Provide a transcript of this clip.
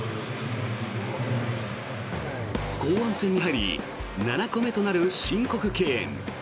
後半戦に入り７個目となる申告敬遠。